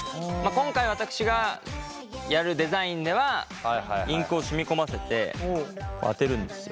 今回私がやるデザインではインクを染み込ませてあてるんですよ。